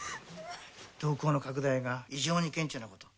瞳孔の拡大が異常に顕著なこと。